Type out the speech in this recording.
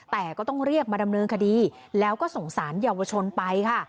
แต่ก็ต้องเรียกมาดำเนินคดีแล้วก็ส่งสารเยาวชนไปค่ะ